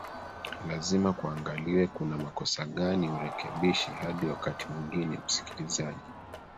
lazima kuangaliwe kuna makosa gani urekebishe hadi wakati mwingine msikilizaji